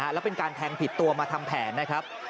แล้วเป็นการแทงผิดตัวมาทำแผนนะครับ